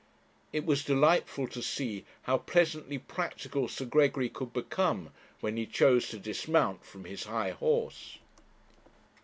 It was delightful to see how pleasantly practical Sir Gregory could become when he chose to dismount from his high horse.